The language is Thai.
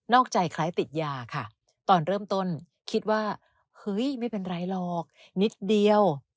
อกใจคล้ายติดยาค่ะตอนเริ่มต้นคิดว่าเฮ้ยไม่เป็นไรหรอกนิดเดียว